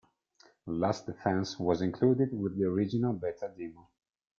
"Last Defense" was included with the original beta demo.